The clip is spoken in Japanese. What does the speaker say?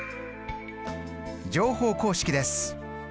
乗法公式です。